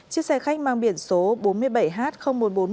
chiếc xe khách mang biển số bốn mươi bảy h một nghìn bốn trăm một mươi một